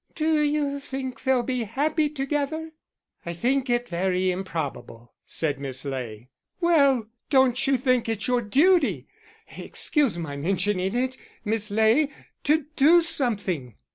"Do you think they'll be happy together?" "I think it very improbable," said Miss Ley. "Well, don't you think it's your duty excuse my mentioning it, Miss Ley to do something?"